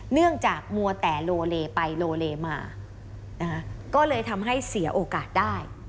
เนื่องจากมัวแต่โลเลไปโลเลมานะคะก็เลยทำให้เสียโอกาสได้